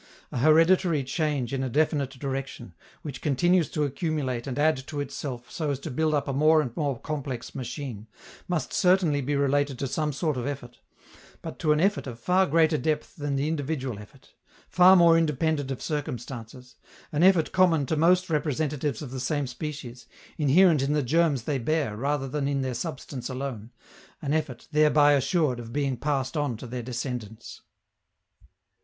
A hereditary change in a definite direction, which continues to accumulate and add to itself so as to build up a more and more complex machine, must certainly be related to some sort of effort, but to an effort of far greater depth than the individual effort, far more independent of circumstances, an effort common to most representatives of the same species, inherent in the germs they bear rather than in their substance alone, an effort thereby assured of being passed on to their descendants.